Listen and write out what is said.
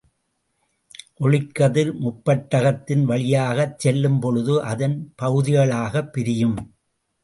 ஒளிக்கதிர் முப்பட்டகத்தின் வழியாகச் செல்லும் பொழுது, அதன் பகுதிகளாகப் பிரியும்.